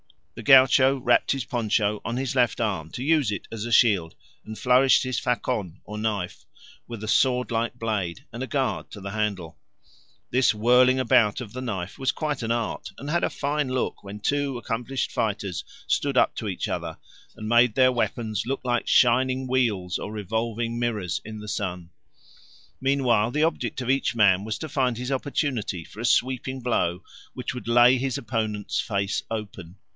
The gaucho wrapped his poncho on his left arm to use it as a shield, and flourished his facon, or knife with a sword like blade and a guard to the handle. This whirling about of the knife was quite an art, and had a fine look when two accomplished fighters stood up to each other and made their weapons look like shining wheels or revolving mirrors in the sun. Meanwhile, the object of each man was to find his opportunity for a sweeping blow which would lay his opponent's face open.